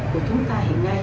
của chúng ta hiện nay